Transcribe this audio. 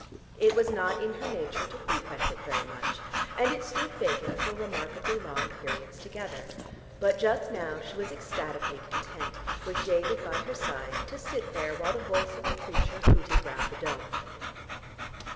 It was not in her nature to frequent it very much, and it stood vacant for remarkably long periods together, but just now she was ecstatically content, with David by her side, to sit there while the voice of the preacher hooted round the dome.